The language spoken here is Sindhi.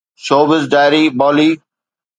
showbiz diary Bali